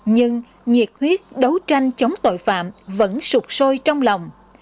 nhưng nhiệt huyết đấu tranh chống tội phạm vẫn sụp sôi trong lòng